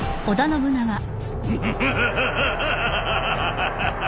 フハハハハ。